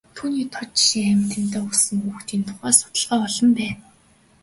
Үүний тод жишээ амьтантай өссөн хүүхдийн тухай судалгаа олон байна.